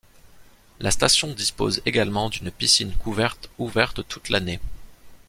La station dispose également d'une piscine couverte ouverte toute l'année.